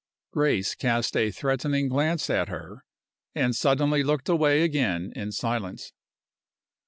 Grace cast a threatening glance at her, and suddenly looked away again in silence.